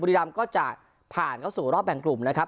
ริรามก็จะผ่านเข้าสู่รอบแบ่งกลุ่มนะครับ